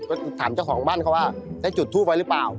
ก็ถามเจ้าของบ้านเขาว่าได้จุดทูปไว้หรือเปล่า